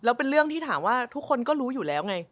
แล้วเป็นเรื่องที่ถามว่าทุกคนก็รู้อยู่แล้วไง